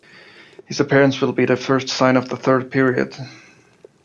His appearance will be the first sign of the third period.